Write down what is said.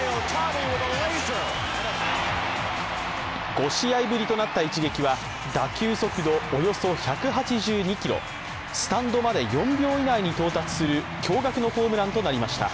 ５試合ぶりとなった一撃は打球速度およそ１８２キロスタンドまで４秒以内に到達する驚がくのホームランとなりました。